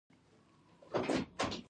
او مخې ته راځي